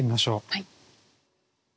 はい。